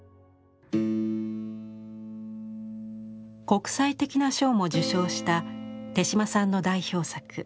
国際的な賞も受賞した手島さんの代表作